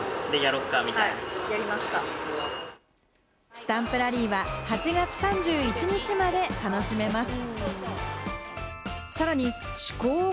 スタンプラリーは８月３１日まで楽しめます。